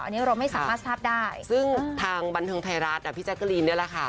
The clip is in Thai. อันนี้เราไม่สามารถทราบได้ซึ่งทางบันเทิงไทยรัฐอ่ะพี่แจ๊กกะรีนนี่แหละค่ะ